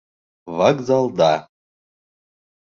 Вокзалда